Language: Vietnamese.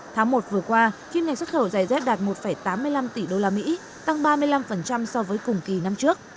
tháng một vừa qua kim ngạch xuất khẩu giày dép đạt một tám mươi năm tỷ usd tăng ba mươi năm so với cùng kỳ năm trước